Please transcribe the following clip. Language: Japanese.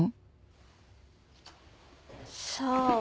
さあ。